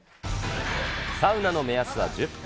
サウナの目安は１０分。